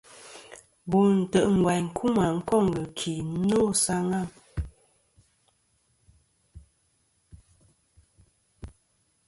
Bo ntè' ngvaynkuma koŋ ghɨki no sa ghaŋ.